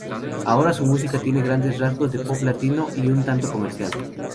Ahora su música tiene grandes rasgos de Pop latino y un tanto comercial.